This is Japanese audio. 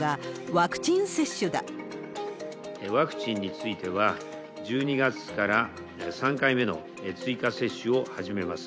ワクチンについては、１２月から３回目の追加接種を始めます。